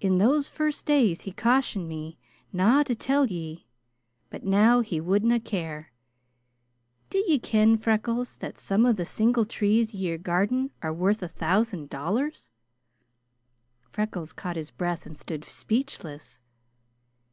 In those first days he cautioned me na to tell ye, but now he wadna care. D'ye ken, Freckles, that some of the single trees ye are guarding are worth a thousand dollars?" Freckles caught his breath and stood speechless.